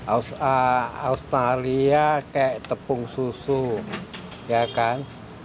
australia kayak tepung susu ya kan